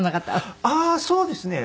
ああーそうですね。